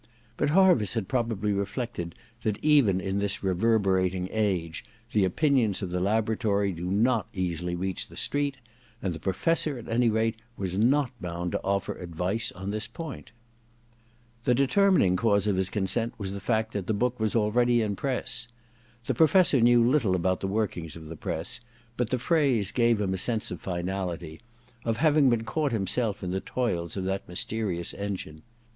But Harviss had probably reflected that even in this rever berating age the opinions of the laboratory do not easily reach the street ; and the Professor, at any rate, was not bound to offer advice on this point. The determining cause of his consent was the fact that the book was already in press. The Professor knew little about the workings of the press, but the phrase gave him a sense of finality, of having been caught himself in the toils of that mysterious engine.